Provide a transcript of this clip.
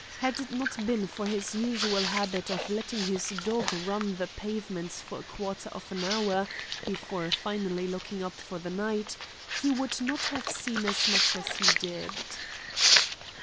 Had it not been for his usual habit of letting his dog run the pavements for a quarter of an hour before finally locking up for the night, he would not have seen as much as he did.